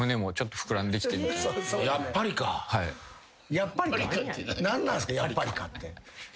「やっぱりか」？何なんすか「やっぱりか」って。